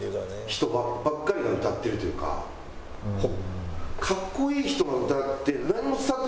ほう。